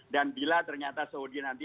bila ternyata saudi nanti